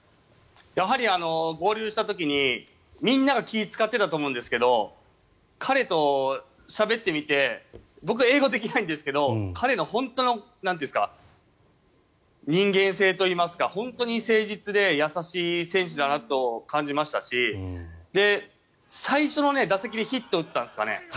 やはり合流した時にみんなが気を使ってたと思うんですけど彼としゃべってみて僕は英語できないんですけど彼の人間性といいますか本当に誠実で優しい選手だなと感じましたし最初の打席でヒットを打ったんですかね。